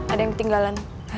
ada yang ketinggalan